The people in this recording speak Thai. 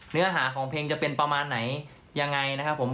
เนื้อหาของเพลงจะเป็นประมาณไหนยังไงนะครับผม